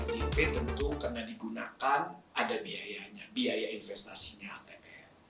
jika tentu karena digunakan ada biayanya biaya investasinya atm